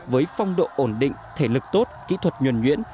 với phong độ ổn định thể lực tốt kỹ thuật nhuẩn nhuyễn